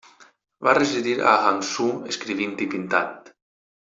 Va residir a Hangzhou escrivint i pintant.